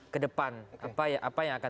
kedepan apa yang akan